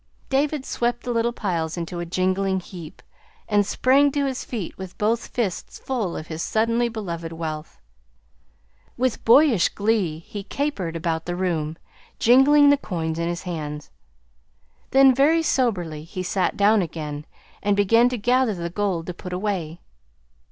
David swept the little piles into a jingling heap, and sprang to his feet with both fists full of his suddenly beloved wealth. With boyish glee he capered about the room, jingling the coins in his hands. Then, very soberly, he sat down again, and began to gather the gold to put away.